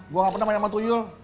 gue gak pernah main sama tuyul